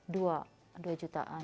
dua dua jutaan